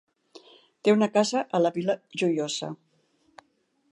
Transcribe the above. Té una casa a la Vila Joiosa.